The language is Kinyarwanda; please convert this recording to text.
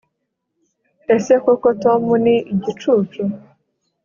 ese koko tom ni igicucu